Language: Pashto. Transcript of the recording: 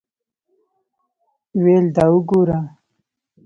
ویل دا وګوره.